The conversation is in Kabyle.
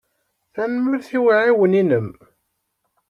Tanemmirt i uɛiwen-inem.